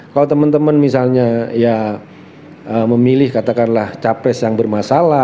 kalau teman teman misalnya ya memilih katakanlah capres yang bermasalah